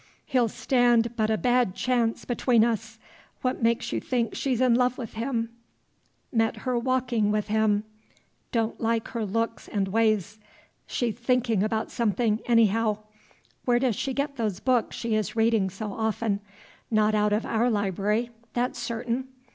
He'll stand but a bad chance between us. What makes you think she's in love with him? Met her walking with him. Don't like her looks and ways; she's thinking about something, anyhow. Where does she get those books she is reading so often? Not out of our library, that 's certain.